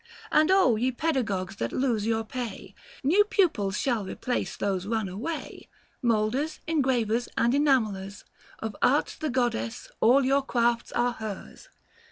And ye pedagogues that lose your pay, New pupils shall replace those run away. Moulders, engravers, and enamellers, Of arts the Goddess, all your crafts are hers.